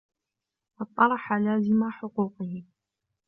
وَاطَّرَحَ لَازِمَ حُقُوقِهِ